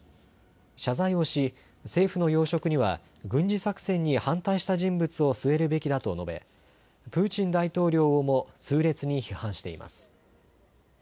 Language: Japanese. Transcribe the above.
謝罪をし政府の要職には軍事作戦に反対した人物を据えるべきだと述べプーチン大統領を痛烈に批判しています。